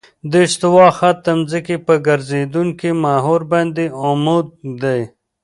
د استوا خط د ځمکې په ګرځېدونکي محور باندې عمود دی